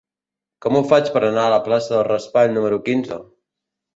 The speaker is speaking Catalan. Com ho faig per anar a la plaça del Raspall número quinze?